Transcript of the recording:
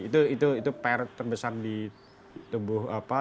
itu pr terbesar di tubuh apa